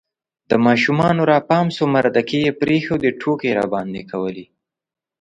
د ماشومانو را پام سو مردکې یې پرېښودې، ټوکې یې راباندې کولې